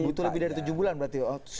butuh lebih dari tujuh bulan berarti